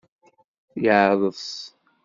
Yeɛḍes.